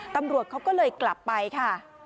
ตำรวจเขาก็เลยกลับไปค่ะ